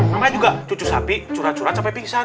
namanya juga cucu sapi curhat curhat sampai pingsan